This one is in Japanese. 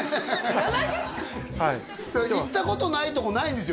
はい行ったことないとこないんですよ